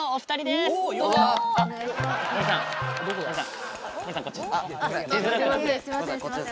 すみません